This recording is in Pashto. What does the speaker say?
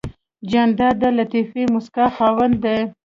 جانداد د لطیفې موسکا خاوند دی.